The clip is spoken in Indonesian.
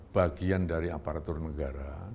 bagian dari aparatur negara